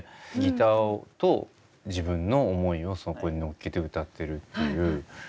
ギターと自分の思いをそこに乗っけて歌ってるっていう。